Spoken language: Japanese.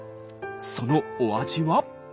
そのお味は。